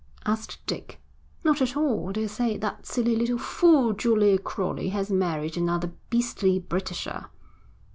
asked Dick. 'Not at all. They'll say: That silly little fool Julia Crowley has married another beastly Britisher.'